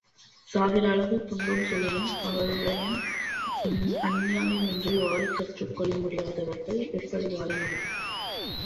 சாகிற அளவு துன்பம் சூழினும் அவருடன் அந்நியமின்றி வாழக்கற்றுக் கொள்ளாதவர்கள் எப்படி வாழமுடியும்!